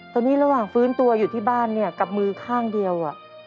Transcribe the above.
ตอนนี้ระหว่างฟื้นตัวอยู่ที่บ้านเนี่ยกับมือข้างเดียว